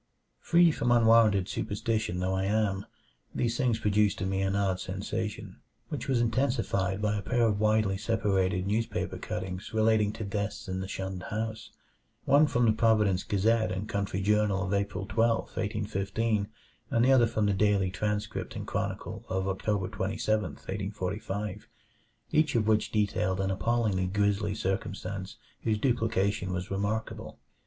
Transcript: Free from unwarranted superstition though I am, these things produced in me an odd sensation, which was intensified by a pair of widely separated newspaper cuttings relating to deaths in the shunned house one from the Providence Gazette and Country Journal of April 12, 1815, and the other from the Daily Transcript and Chronicle of October 27, 1845 each of which detailed an appallingly grisly circumstance whose duplication was remarkable.